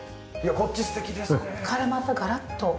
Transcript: ここからまたガラッと。